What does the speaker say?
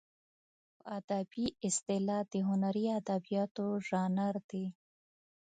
په ادبي اصطلاح د هنري ادبیاتو ژانر دی.